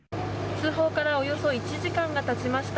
通報からおよそ１時間が経ちました。